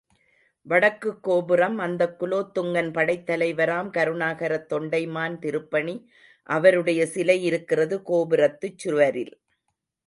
வடக்குக்கோபுரம், அந்தக் குலோத்துங்கன் படைத் தலைவராம் கருணாகரத் தொண்டைமான் திருப்பணி, அவருடைய சிலையிருக்கிறது கோபுரத்துச் சுவரிலே.